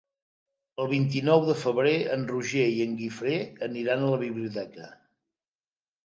El vint-i-nou de febrer en Roger i en Guifré aniran a la biblioteca.